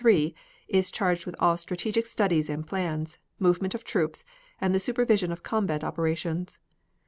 3 is charged with all strategic studies and plans, movement of troops, and the supervision of combat operations; G.